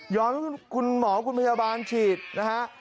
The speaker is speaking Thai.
ให้คุณหมอคุณพยาบาลฉีดนะฮะ